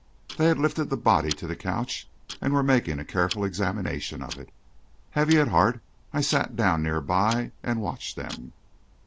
They had lifted the body to the couch and were making a careful examination of it. Heavy at heart, I sat down near by and watched them.